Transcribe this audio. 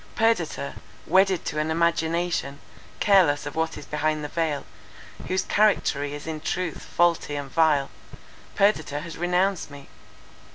Perdita, wedded to an imagination, careless of what is behind the veil, whose charactery is in truth faulty and vile, Perdita has renounced me.